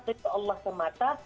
ritual lah semata